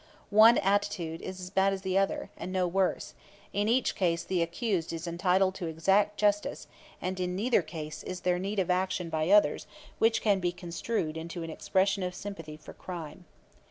One attitude is as bad as the other, and no worse; in each case the accused is entitled to exact justice; and in neither case is there need of action by others which can be construed into an expression of sympathy for crime.